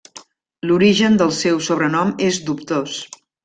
L'origen del seu sobrenom és dubtós.